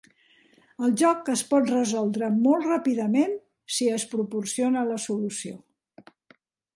El joc es pot resoldre molt ràpidament si es proporciona la solució.